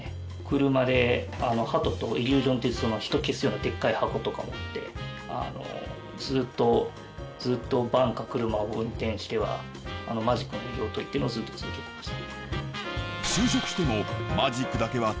車で鳩とイリュージョンっていう人を消すようなデッカい箱とか持ってずっとずっとバンか車を運転してはマジックの営業っていうのをずっと続けてました。